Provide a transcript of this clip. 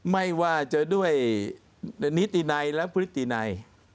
ไม่ว่าจะด้วยนิตินัยและพฤตินัย